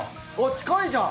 近いじゃん！